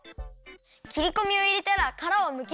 きりこみをいれたらからをむきます。